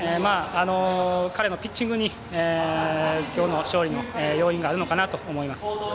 彼のピッチングにきょうの勝利の要因があるのかなと思います。